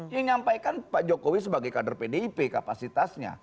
yang nyampaikan pak jokowi sebagai kader pdip kapasitasnya